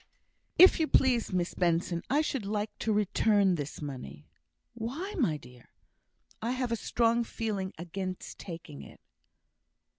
"If you please, Miss Benson, I should like to return this money." "Why, my dear?" "I have a strong feeling against taking it.